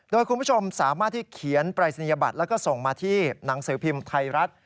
โดยคุณผู้ชมสามารถที่เขียนปรายศนียบัตรแล้วก็ส่งมาที่หนังสือพิมพ์ไทยรัฐ